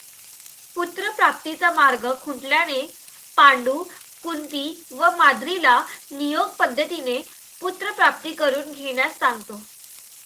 पुत्रप्राप्तीचा मार्ग खुंटल्याने पांडू कुंति व माद्रीला नियोग पद्धतीने पुत्रप्राप्ती करून घेण्यास सांगतो.